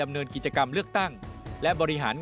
การที่จะทำกิจกรรมต่างนั้นจะหาเงินมาจากที่ไหนได้บ้าง